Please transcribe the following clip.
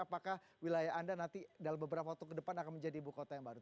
apakah wilayah anda nanti dalam beberapa waktu ke depan akan menjadi ibu kota yang baru